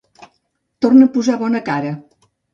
Torna a posar bona cara.